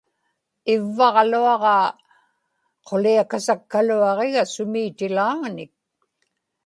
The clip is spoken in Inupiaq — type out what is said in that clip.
ivvaġluagaa quliakasakkaluaġiga sumi-itilaaŋanik